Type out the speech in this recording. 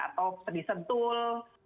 atau sedih sentul